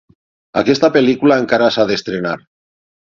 Aquesta pel·lícula encara s'ha d'estrenar.